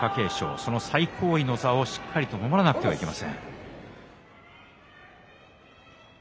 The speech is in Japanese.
その最高位の座をしっかりと守らなくてはいけません。